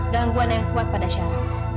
gangguan yang kuat pada syari